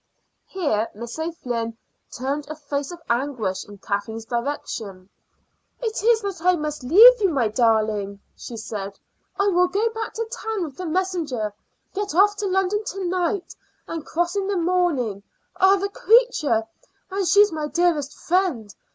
Here Miss O'Flynn turned a face of anguish in Kathleen's direction. "It is I that must leave you, my darling," she said. "I will go back to town with the messenger, get off to London to night, and cross in the morning. Ah, the creature! And she's my dearest friend.